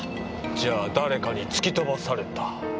じゃあ誰かに突き飛ばされた。